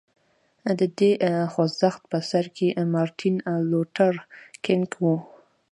د دې خوځښت په سر کې مارټین لوټر کینګ و.